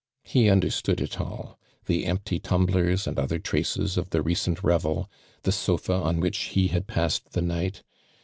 He understood it all. The empty tum blers and other traces of the recent revel — tho sofa on w..:ch he hp ' passed the night.